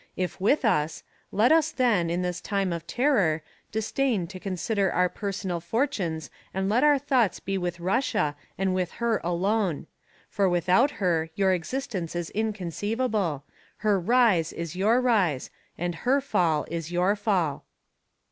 If with us let us then, in this time of terror, disdain to consider our personal fortunes and let our thoughts be with Russia and with her alone. For without her your existence is inconceivable; her rise is your rise and her fall is your fall."